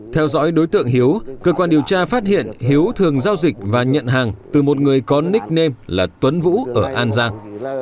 theo dõi đối tượng hiếu cơ quan điều tra phát hiện hiếu thường giao dịch và nhận hàng từ một người có nickname là tuấn vũ ở an giang